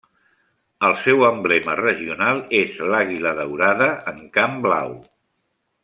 El seu emblema regional és l'àguila daurada en camp blau.